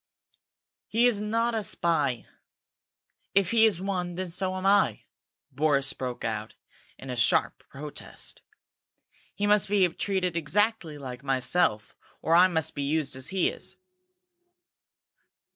"He is not a spy! If he is one, then so am I!" Boris broke out in a sharp protest. "He must be treated exactly like myself, or I must be used as he is!"